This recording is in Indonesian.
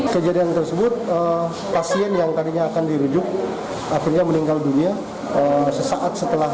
kejadian tersebut pasien yang tadinya akan dirujuk akhirnya meninggal dunia sesaat setelah